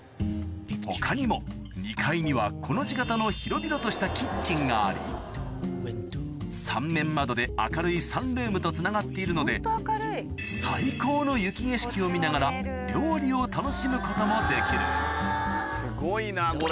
他にも２階にはコの字形の広々としたキッチンがあり三面窓で明るいサンルームとつながっているので最高の雪景色を見ながら料理を楽しむこともできるすごいなこれ。